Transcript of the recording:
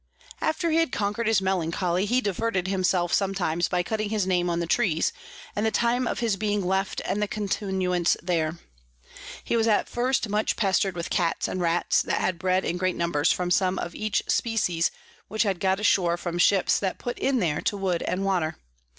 After he had conquer'd his Melancholy, he diverted himself sometimes by cutting his Name on the Trees, and the Time of his being left and Continuance there. He was at first much pester'd with Cats and Rats, that had bred in great numbers from some of each Species which had got ashore from Ships that put in there to wood and water.